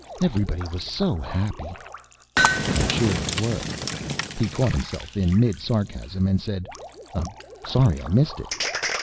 Everybody was so happy." "I'm sure they were." He caught himself in mid sarcasm and said, "I'm sorry I missed it."